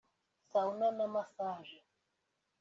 Sauna na Massage